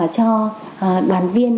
cho đoàn viên